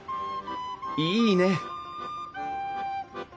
いいね！